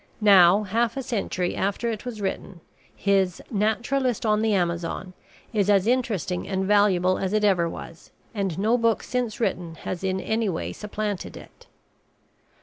Now, half a century after it was written, his "Naturalist on the Amazon" is as interesting and valuable as it ever was, and no book since written has in any way supplanted it.